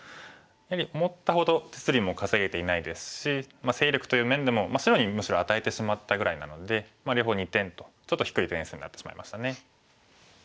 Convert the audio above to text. やはり思ったほど実利も稼げていないですし勢力という面でも白にむしろ与えてしまったぐらいなので両方２点とちょっと低い点数になってしまいましたね。